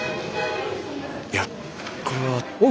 いやこれは。